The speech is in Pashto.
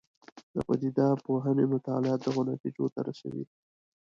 د پدیده پوهنې مطالعات دغو نتیجو ته رسوي.